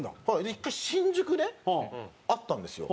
１回新宿であったんですよ。